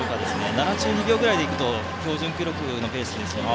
７２秒ぐらいでいくと標準記録のペースですね。